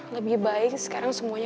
lebih baik sekarang semuanya